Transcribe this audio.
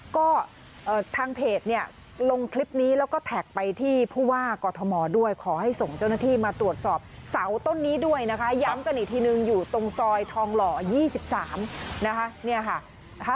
ก็ทางเพจเนี่ยลงคลิปนี้แล้วก็แท็กไปที่ผู้ว่ากอทมด้วยขอให้ส่งเจ้าหน้าที่มาตรวจสอบเสาต้นนี้ด้วยนะคะย้ำกันอีกทีนึงอยู่ตรงซอยทองหล่อ๒๓นะคะ